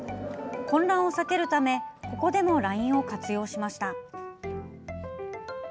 混乱を避けるためここでもＬＩＮＥを活用しました。